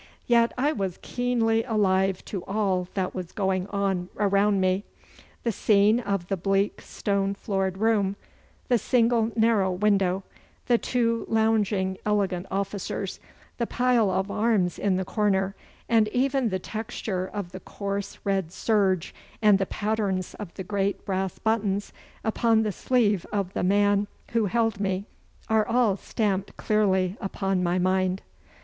Yet I was keenly alive to all that was going on around me. The scene of the bleak stone floored room, the single narrow window, the two lounging elegant officers, the pile of arms in the corner, and even the texture of the coarse red serge and the patterns of the great brass buttons upon the sleeve of the man who held me, are all stamped clearly upon my mind.